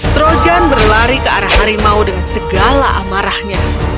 trojan berlari ke arah harimau dengan segala amarahnya